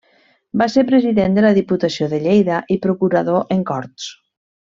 Va ser president de la Diputació de Lleida i procurador en Corts.